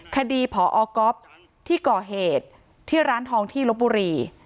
คดีพอก๊อฟที่ก่อเหตุที่ร้านทองที่ลบบุรี